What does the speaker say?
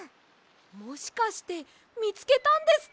もしかしてみつけたんですか？